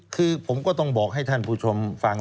คือผมก็ต้องบอกให้ท่านผู้ชมฟัง